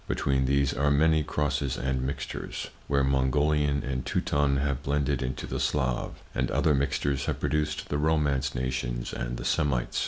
Between these are many crosses and mixtures, where Mongolian and Teuton have blended into the Slav, and other mixtures have produced the Romance nations and the Semites.